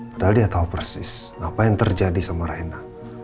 padahal dia tahu persis apa yang terjadi sama raina